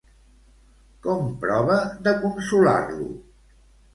Com prova de consolar-lo?